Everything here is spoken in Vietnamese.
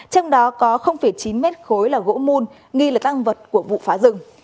trong đó có chín mét khối là gỗ mùn nghi là tăng vật của vụ phá rừng